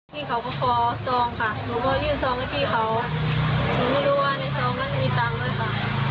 พี่เขาก็ขอซองค่ะหนูก็ยื่นซองให้พี่เขาหนูไม่รู้ว่าในซองนั้นจะมีตังค์ด้วยค่ะ